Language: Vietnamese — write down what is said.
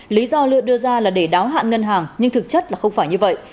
lý do lựa đưa ra là để đáo hạn ngân hàng nhưng thực chất là không phải như vậy